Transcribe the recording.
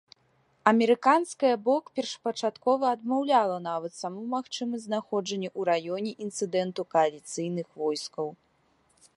Амерыканская бок першапачаткова адмаўляла нават саму магчымасць знаходжання у раёне інцыдэнту кааліцыйных войскаў.